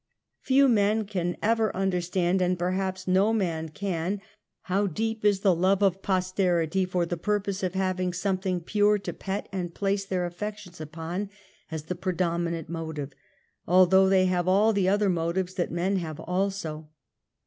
Few men can ever understand, and perhaps no man can, how deep is the love of posterity for the purpose of having something pure to pet and place their affections upon as the predominant motive,, although they have all the other motives that men have also.